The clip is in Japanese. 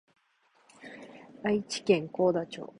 愛知県幸田町